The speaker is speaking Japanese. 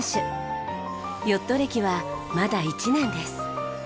ヨット歴はまだ１年です。